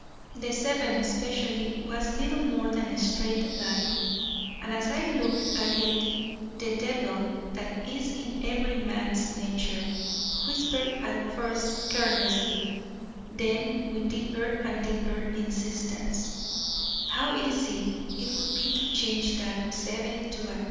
The 7 especially was little more than a straight line, and as I looked at it the devil that is in every man's nature whispered at first carelessly, then with deeper and deeper insistence: 'How easy it would be to change that 7 to a 2!